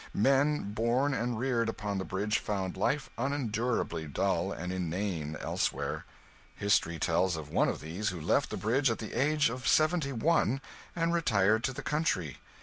Men born and reared upon the Bridge found life unendurably dull and inane elsewhere. History tells of one of these who left the Bridge at the age of seventy one and retired to the country.